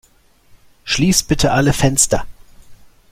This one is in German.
Schließ bitte alle Fenster!